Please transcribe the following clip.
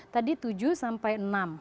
tadi tujuh sampai enam